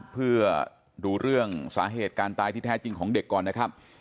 เพื่อดูเรื่องสาเหตุการตายที่แท้จริงของเด็กก่อนนะครับ